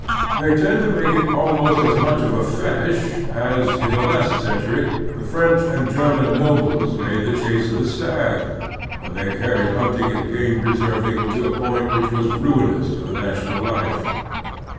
They tend to make it almost as much of a fetish as, in the last century, the French and German nobles made the chase of the stag, when they carried hunting and game preserving to a point which was ruinous to the national life.